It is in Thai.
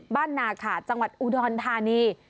นาขาดจังหวัดอุดรธานี